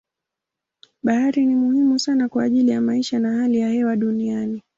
Bahari ni muhimu sana kwa ajili ya maisha na hali ya hewa duniani.